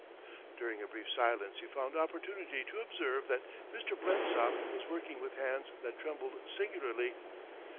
During a brief silence he found opportunity to observe that Mr. Blensop was working with hands that trembled singularly.